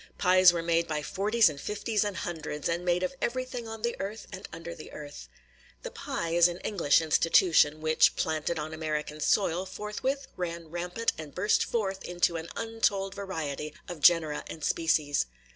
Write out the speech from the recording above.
Pies were made by forties and fifties and hundreds, and made of everything on the earth and under the earth. The pie is an English institution, which, planted on American soil, forthwith ran rampant and burst forth into an untold variety of genera and species.